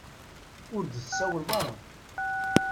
Ur d-tsawleḍ ara.